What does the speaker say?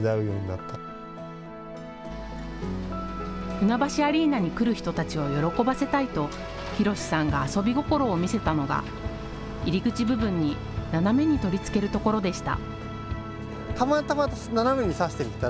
船橋アリーナに来る人たちを喜ばせたいと宏さんが遊び心を見せたのが入り口部分に斜めに取り付けるところでした。